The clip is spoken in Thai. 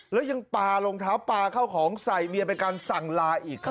แล้วยังปลารองเท้าปลาเข้าของใส่เมียเป็นการสั่งลาอีกครับ